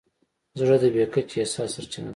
زړه د بې کچې احساس سرچینه ده.